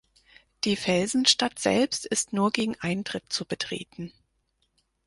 Die Felsenstadt selbst ist nur gegen Eintritt zu betreten.